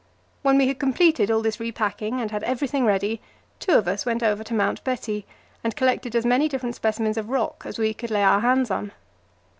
When we had completed all this repacking and had everything ready, two of us went over to Mount Betty, and collected as many different specimens of rock as we could lay our hands on.